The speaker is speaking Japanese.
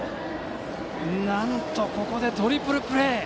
なんと、ここでトリプルプレー！